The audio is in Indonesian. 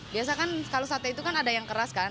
biasa kan kalau sate itu kan ada yang keras kan